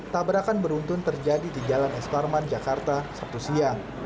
tabrakan beruntun terjadi di jalan es parman jakarta sabtu siang